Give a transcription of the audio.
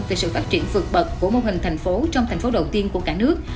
về sự phát triển vượt bậc của mô hình thành phố trong thành phố đầu tiên của cả nước